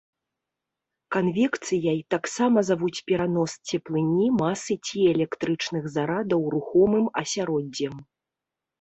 Канвекцыяй таксама завуць перанос цеплыні, масы ці электрычных зарадаў рухомым асяроддзем.